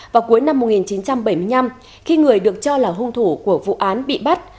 vào cuối năm một nghìn chín trăm bảy mươi năm khi người được cho là hung thủ của vụ án bị bắt